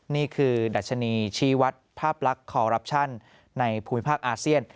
นี่คือดัชนีชีวัฒน์ภาพลักษณ์ในภูมิภาคอาเซียน